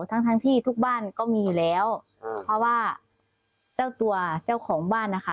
ทั้งทั้งที่ทุกบ้านก็มีอยู่แล้วเพราะว่าเจ้าตัวเจ้าของบ้านนะคะ